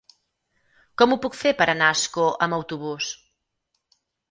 Com ho puc fer per anar a Ascó amb autobús?